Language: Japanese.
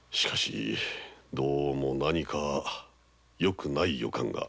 どうも何かよくない予感が。